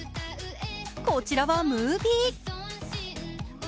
こちらはムービー。